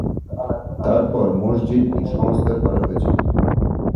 তার পর মসজিদটি সংস্কার করা হয়েছিলো।